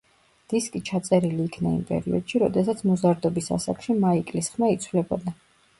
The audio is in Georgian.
დისკი ჩაწერილი იქნა იმ პერიოდში, როდესაც მოზარდობის ასაკში მაიკლის ხმა იცვლებოდა.